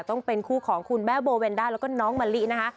ต้องเป็นคู่ของคุณแม่โบเวนด้าแล้วก็น้องมะลินะคะ